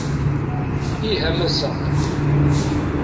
Ih a Massa.